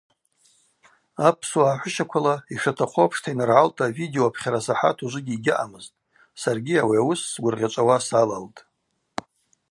Апсуа гӏахӏвыщаквала йшатахъу апшта йаныргӏалта видео апхьарасахӏат ужвыгьи йгьаъамызтӏ, саргьи ауи ауыс сгвыргъьачӏвауа салалтӏ.